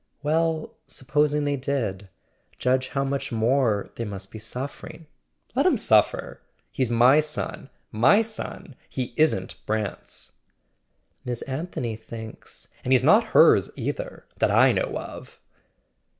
"Well—supposing they did: judge how much more they must be suffering !" "Let 'em suffer. He's my son—my son. He isn't Brant's." [ 414 ] A SON AT THE FRONT "Miss Anthony thinks " "And he's not hers either, that I know of!"